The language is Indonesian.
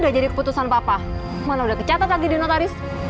jadi keputusan papa mana udah kecatat lagi di notaris